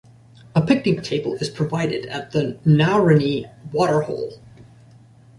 A picnic table is provided at Nowranie waterhole.